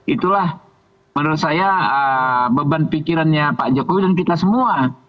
itulah menurut saya beban pikirannya pak jokowi dan kita semua